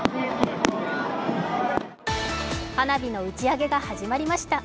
花火の打ち上げが始まりました。